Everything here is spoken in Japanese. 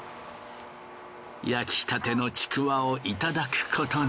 焼きたてのちくわをいただくことに。